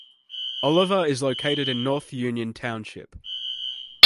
Oliver is located in North Union Township.